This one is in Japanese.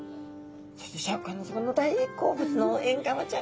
そしてシャーク香音さまの大好物のえんがわちゃんが。